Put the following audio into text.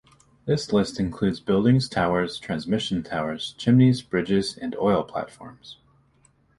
This list includes buildings, towers, transmission towers, chimneys, bridges and oil platforms.